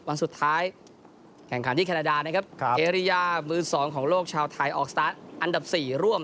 วันสุดท้ายแข่งขันที่แคนาดานะครับเอริยามือสองของโลกชาวไทยออกสตาร์ทอันดับ๔ร่วม